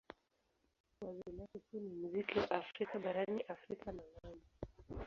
Wazo lake kuu ni muziki wa Kiafrika barani Afrika na ng'ambo.